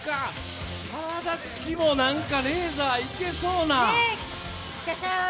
でも体つきも、なんかレーザーいけそうな。